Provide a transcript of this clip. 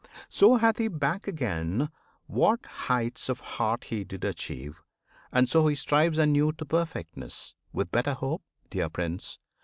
So hath he back again what heights of heart He did achieve, and so he strives anew To perfectness, with better hope, dear Prince!